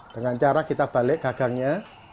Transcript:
dengan cara kita balik gagangnya